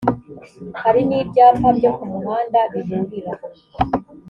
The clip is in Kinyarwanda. hari n’ibyapa byo ku muhanda biburira